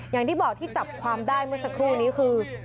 อย่างที่บอกที่จับความได้เมื่อสักครู่นี้คือ